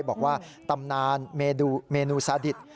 บอกว่าตำนานเมนูซาดิต